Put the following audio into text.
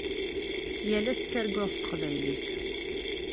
Yal ass ttarguɣ s teqbaylit.